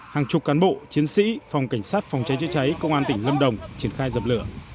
hàng chục cán bộ chiến sĩ phòng cảnh sát phòng cháy chữa cháy công an tỉnh lâm đồng triển khai dập lửa